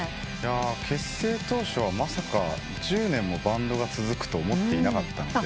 結成当初はまさか１０年もバンドが続くと思っていなかったので。